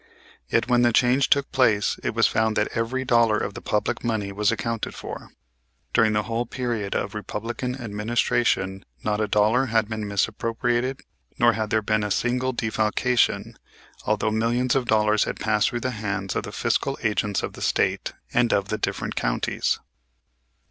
Yet when the change took place it was found that every dollar of the public money was accounted for. During the whole period of Republican administration not a dollar had been misappropriated, nor had there been a single defalcation, although millions of dollars had passed through the hands of the fiscal agents of the State and of the different counties.